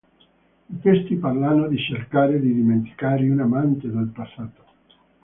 I testi parlano di cercare di dimenticare un amante del passato.